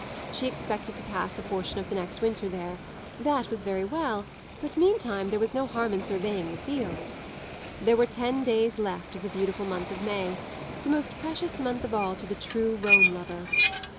She expected to pass a portion of the next winter there that was very well; but meantime there was no harm in surveying the field. There were ten days left of the beautiful month of May the most precious month of all to the true Rome lover.